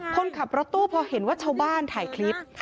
คนขับรถตู้พอเห็นว่าชาวบ้านถ่ายคลิป